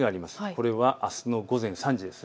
これはあすの午前３時です。